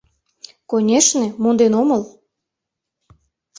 Конешне, монден омыл.